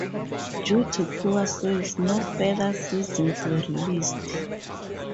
Due to poor sales, no further seasons were released.